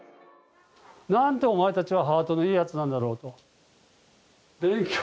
なんてお前たちはハートのいいやつなんだろうと。